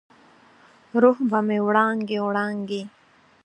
روح به مې وړانګې، وړانګې،